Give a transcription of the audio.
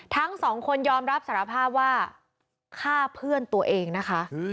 ทั้งสองคนยอมรับสารภาพว่าฆ่าเพื่อนตัวเองนะคะ